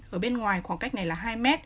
ở bên ngoài khoảng cách này là hai m